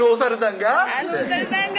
「あのお猿さんが？」